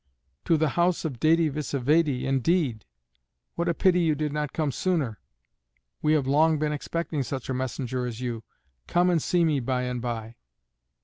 "To the house of Dède Vsévède? Indeed! What a pity you did not come sooner, we have long been expecting such a messenger as you. Come and see me by and by."